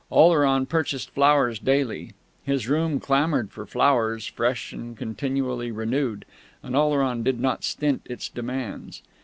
Oleron purchased flowers daily; his room clamoured for flowers, fresh and continually renewed; and Oleron did not stint its demands.